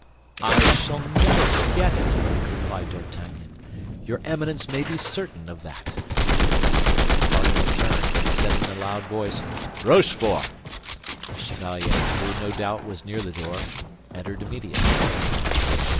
"I shall never forget it," replied D'Artagnan. "Your Eminence may be certain of that." The cardinal turned and said in a loud voice, "Rochefort!" The chevalier, who no doubt was near the door, entered immediately.